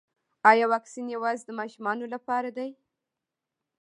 ایا واکسین یوازې د ماشومانو لپاره دی